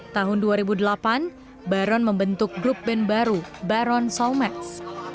tahun dua ribu delapan baron membentuk grup band baru baron soulmats